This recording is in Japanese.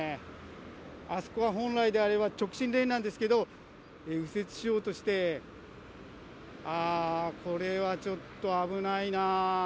あそこは本来であれば直進レーンなんですけど、右折しようとしてああ、これはちょっと危ないなぁ。